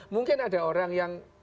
mungkin ada orang yang